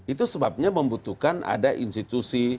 itu sebabnya membutuhkan ada institusi